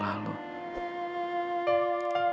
kan ku biarkan waktu menjadi beku